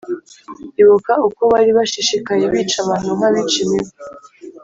Ibuka uko bari bashishikaye Bica abantu nk’abica imibu